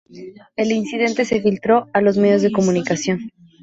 El incidente se filtró a los medios de comunicación.